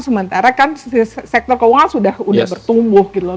sementara kan sektor keuangan sudah bertumbuh gitu loh